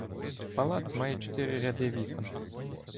Палац має чотири ряди вікон.